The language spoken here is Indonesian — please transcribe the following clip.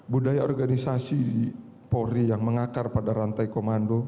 budaya organisasi polri yang mengakar pada rantai komando